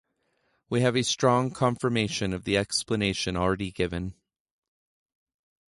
We have a strong confirmation of the explanation already given.